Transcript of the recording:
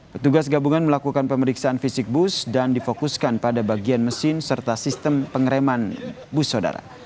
petugas gabungan melakukan pemeriksaan fisik bus dan difokuskan pada bagian mesin serta sistem pengereman bus saudara